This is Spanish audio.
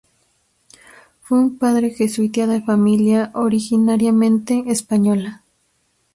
Fue un padre jesuita de familia originariamente española.